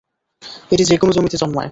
এটি যেকোন জমিতে জন্মায়।